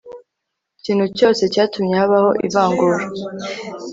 kintu cyose cyatuma habaho ivangura